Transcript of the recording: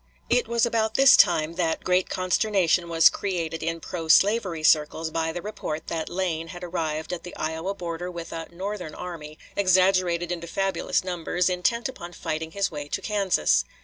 It was about this time that great consternation was created in pro slavery circles by the report that Lane had arrived at the Iowa border with a "Northern army," exaggerated into fabulous numbers, intent upon fighting his way to Kansas.